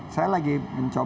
saya lagi mencari